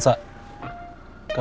gak usah bawa bantuan